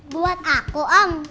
buat aku om